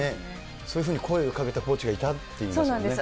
そういうふうに声をかけたコーチがいたということなんですね。